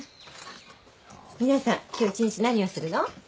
皆さん今日一日何をするの？